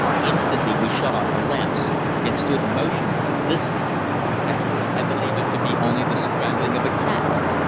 Instantly we shut off our lamps, and stood motionless, listening. At first I believed it to be only the scrambling of a cat.